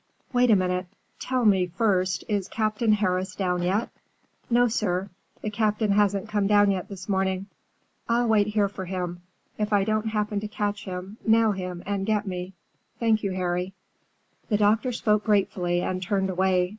"Wait a minute. Tell me, first, is Captain Harris down yet?" "No, sir. The Captain hasn't come down yet this morning." "I'll wait here for him. If I don't happen to catch him, nail him and get me. Thank you, Harry." The doctor spoke gratefully and turned away.